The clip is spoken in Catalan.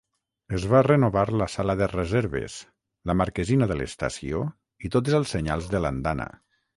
Es va renovar la sala de reserves, la marquesina de l'estació i tots els senyals de l'andana.